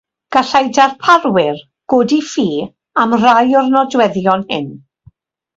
Gallai darparwyr godi ffi am rai o'r nodweddion hyn.